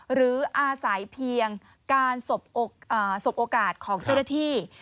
หรืออาศัยเพียงการสบโอกาสของเจ้าหน้าที่